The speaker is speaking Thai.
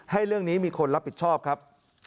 เรื่องนี้มีคนรับผิดชอบครับ